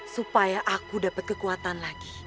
supaya jadi muridnya